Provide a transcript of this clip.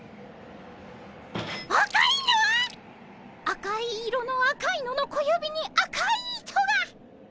赤い色の赤いのの小指に赤い糸が！